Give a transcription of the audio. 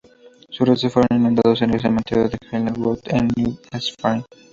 Sus restos fueron inhumados en el cementerio de Highland Road, en New Hampshire.